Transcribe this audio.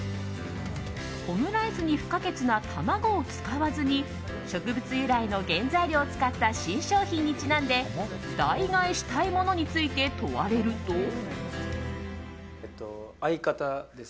オムライスに不可欠な卵を使わずに植物由来の原材料を使った新商品にちなんで代替えしたいものについて問われると。